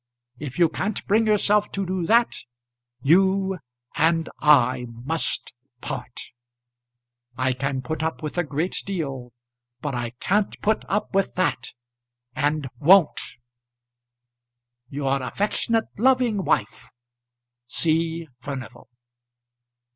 If you can't bring yourself to do that, you and I must part. I can put up with a great deal, but I can't put up with that; and won't. Your affectionate loving wife, C. FURNIVAL.